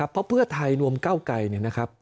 เพราะเพื่อไทยรวมเก้าไกรเนี่ยนะครับ